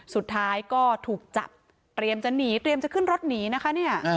สุดท้ายก็ถูกจับเตรียมจะหนีเตรียมจะขึ้นรถหนีนะคะเนี่ย